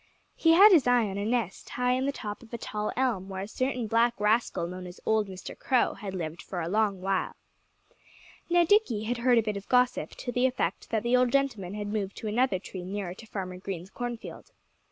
He had his eye on a nest high in the top of a tall elm, where a certain black rascal known as old Mr. Crow had lived for a long while. Now, Dickie had heard a bit of gossip, to the effect that the old gentleman had moved to another tree nearer to Farmer Green's cornfield.